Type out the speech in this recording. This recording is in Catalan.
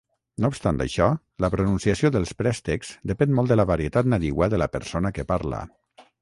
No obstant això, la pronunciació dels préstecs depèn molt de la varietat nadiua de la persona que parla.